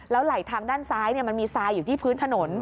ไหลทางด้านซ้ายมันมีทรายอยู่ที่พื้นถนน